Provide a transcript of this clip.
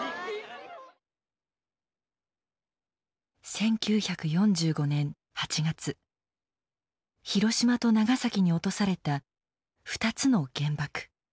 １９４５年８月広島と長崎に落とされた２つの原爆。